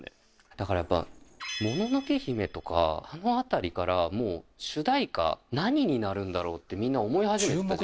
だからやっぱ、もののけ姫とか、あのあたりから、もう主題歌、何になるんだろうって、みんな思い始めてるじゃないですか。